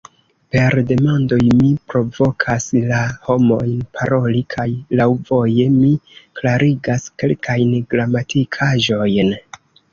Per demandoj mi "provokas" la homojn paroli, kaj "laŭvoje" mi klarigas kelkajn gramatikaĵojn.